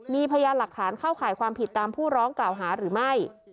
มีพยานหลักฐานเข้าข่ายความผิดตามผู้ร้องกล่าวหาหรือไม่